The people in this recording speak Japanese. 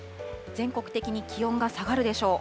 全国的に気温が下がるでしょう。